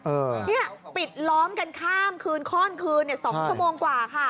เออนี่ปิดล้อมกันข้ามคืนคล่อนคืน๒ชั่วโมงกว่าค่ะ